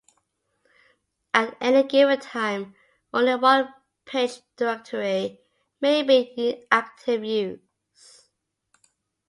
At any given time, only one page directory may be in active use.